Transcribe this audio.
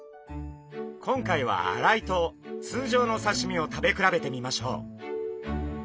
今回は洗いと通常の刺身を食べ比べてみましょう。